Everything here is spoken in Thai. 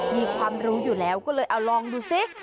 มีความรู้อยู่แล้วก็เลยเอาลองดูซิ